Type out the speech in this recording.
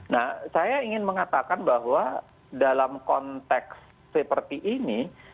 nah saya ingin mengatakan bahwa dalam konteks seperti ini